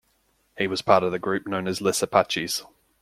He was part of the group known as Les Apaches.